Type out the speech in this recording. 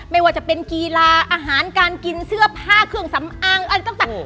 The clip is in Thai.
ไม่ว่าจะเป็นกีฬาอาหารการกินเสื้อผ้าเครื่องสำอางอะไรต่าง